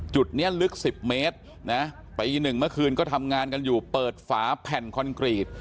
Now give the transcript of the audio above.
จุดนี้ลึก๑๐เมตรนะปีหนึ่งเมื่อคืนก็ทำงานกันอยู่เปิดฝาแผ่นคอนกรีต